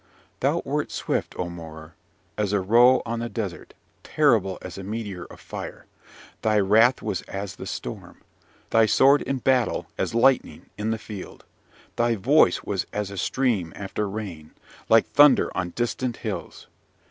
"Thou wert swift, O Morar! as a roe on the desert: terrible as a meteor of fire. Thy wrath was as the storm. Thy sword in battle as lightning in the field. Thy voice was as a stream after rain, like thunder on distant hills.